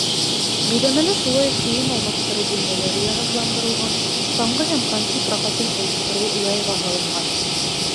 Биләмәлә шулай уҡ кейем алмаштырыу бүлмәләре йыһазландырылған, саңғы һәм коньки прокатын ойоштороу яйға һалынған.